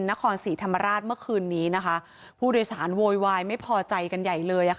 นครศรีธรรมราชเมื่อคืนนี้นะคะผู้โดยสารโวยวายไม่พอใจกันใหญ่เลย